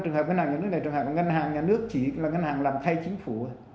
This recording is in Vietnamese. trường hợp ngân hàng nhà nước này trường hợp ngân hàng nhà nước chỉ là ngân hàng làm thay chính phủ